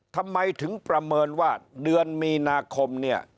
ทำไมถึงประเมินว่าเดือนมีนาคมเนี่ย